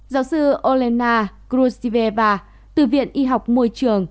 giáo sư olena krujtseva từ viện y học môi trường